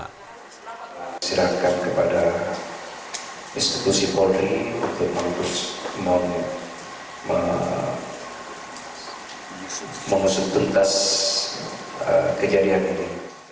disirahkan kepada institusi polri untuk mengusut tuntas kejadian ini